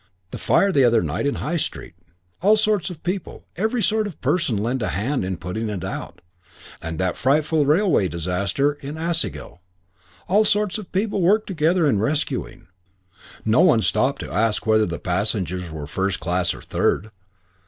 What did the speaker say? That fire the other night in High Street. All sorts of people, every sort of person, lent a hand in putting it out. And that frightful railway disaster at Aisgill; all sorts of people worked together in rescuing. No one stopped to ask whether the passengers were first class or third.